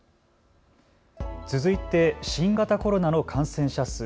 続いて新型コロナの感染者数。